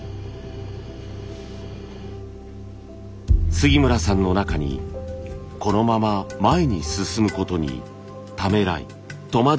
杉村さんの中にこのまま前に進むことにためらい戸惑う気持ちがありました。